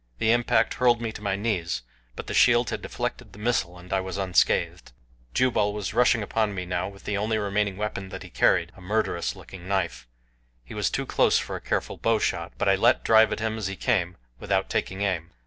The impact hurled me to my knees, but the shield had deflected the missile and I was unscathed. Jubal was rushing upon me now with the only remaining weapon that he carried a murderous looking knife. He was too close for a careful bowshot, but I let drive at him as he came, without taking aim.